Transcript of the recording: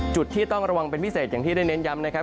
จุดที่ต้องระวังเป็นพิเศษอย่างที่ได้เน้นย้ำนะครับ